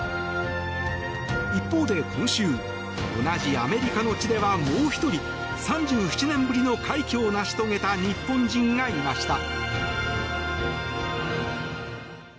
一方で今週同じアメリカの地ではもう１人、３７年ぶりの快挙を成し遂げた日本人がいました。